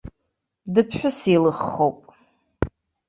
Дыԥҳәыс еилыххоуп.